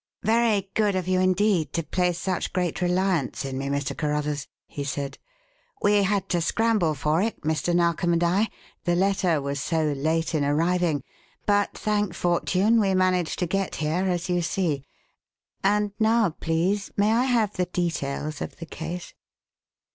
"Very good of you indeed to place such great reliance in me, Mr. Carruthers," he said. "We had to scramble for it, Mr. Narkom and I the letter was so late in arriving but, thank fortune, we managed to get here, as you see. And now, please, may I have the details of the case?"